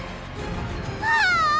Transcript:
ああ！